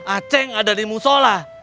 aceh ada di musola